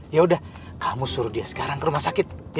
yaudah kamu suruh dia sekarang ke rumah sakit ya